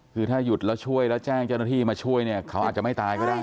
คือถ้าหยุดแล้วช่วยแล้วแจ้งเจ้าหน้าที่มาช่วยเนี่ยเขาอาจจะไม่ตายก็ได้